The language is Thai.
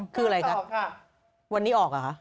คืออะไรคะวันนี้ออกเหรอคะ